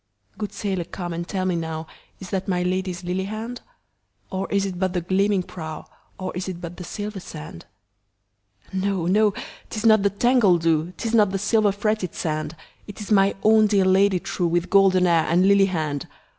Good sailor come and tell me nowIs that my Lady's lily hand? Or is it but the gleaming prow, Or is it but the silver sand? No! no! 'tis not the tangled dew,'Tis not the silver fretted sand, It is my own dear Lady trueWith golden hair and lily hand!